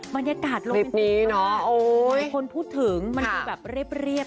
บรรยากาศลงเป็นตรงนี้คนพูดถึงมันดูแบบเรียบ